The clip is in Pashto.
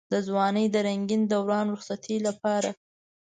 د ځوانۍ د رنګين دوران رخصتۍ لپاره.